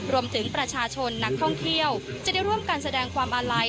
รวมถึงประชาชนนักท่องเที่ยวจะได้ร่วมกันแสดงความอาลัย